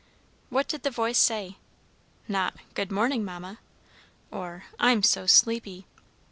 What did the voice say? Not "Good morning, Mamma," or "I'm so sleepy!"